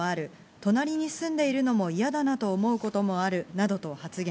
隣に住んでいるのも嫌だなと思うこともあるなどと発言。